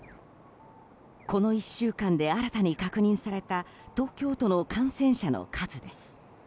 この１週間で新たに確認された東京都の感染者の数です。